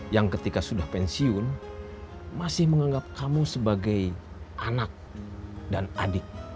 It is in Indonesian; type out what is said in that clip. yang ketika sudah pensiun masih menganggap kamu sebagai anak dan adik